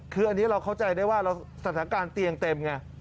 คืออันนี้เราเข้าใจได้ว่าสถานการณ์เตียงเต็มไง